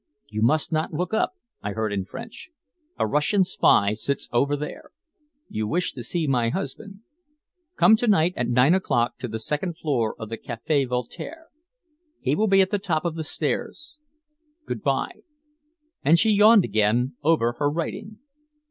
"You must not look up," I heard in French. "A Russian spy sits over there. You wish to see my husband. Come to night at nine o'clock to the second floor of the Café Voltaire. He will be at the top of the stairs. Good by." And she yawned again over her writing.